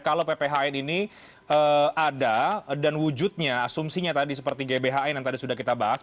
kalau pphn ini ada dan wujudnya asumsinya tadi seperti gbhn yang tadi sudah kita bahas